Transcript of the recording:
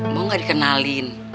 buah gak dikenalin